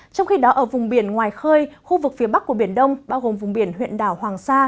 trong khi đó ở vùng biển ngoài khơi khu vực phía bắc của biển đông bao gồm vùng biển huyện đảo hoàng sa